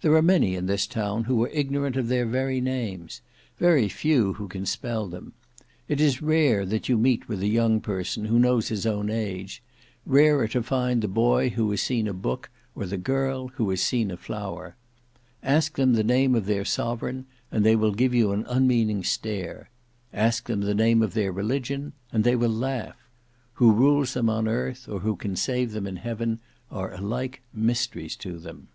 There are many in this town who are ignorant of their very names; very few who can spell them. It is rare that you meet with a young person who knows his own age; rarer to find the boy who has seen a book, or the girl who has seen a flower. Ask them the name of their sovereign, and they will give you an unmeaning stare; ask them the name of their religion, and they will laugh: who rules them on earth, or who can save them in heaven, are alike mysteries to them.